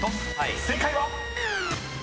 正解は⁉］